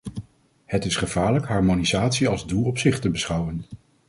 Het is gevaarlijk harmonisatie als doel op zich te beschouwen.